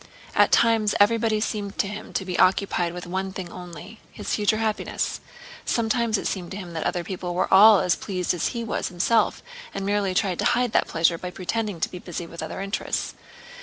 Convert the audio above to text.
At times everybody seemed to him to be occupied with one thing only—his future happiness. Sometimes it seemed to him that other people were all as pleased as he was himself and merely tried to hide that pleasure by pretending to be busy with other interests.